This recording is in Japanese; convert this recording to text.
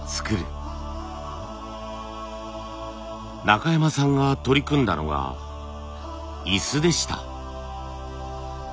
中山さんが取り組んだのが椅子でした。